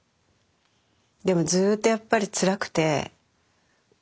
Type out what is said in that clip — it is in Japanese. でもずっとやっぱりつらくて。